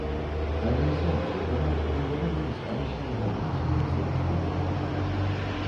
Але і сам султанат неўзабаве распаўся на драбнейшыя ісламскія дзяржавы.